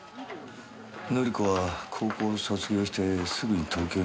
紀子は高校卒業してすぐに東京に出た。